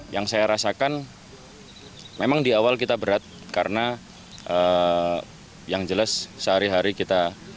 yang saya rasakan memang di awal kita berat karena yang jelas sehari hari kita